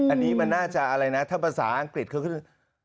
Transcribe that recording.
อันนี้มันน่าจะอะไรนะถ้าภาษาอังกฤษเขาก็จะ